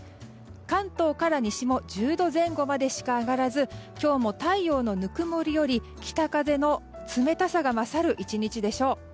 関東から西も１０度前後までしか上がらず今日も太陽のぬくもりより北風の冷たさが勝る１日でしょう。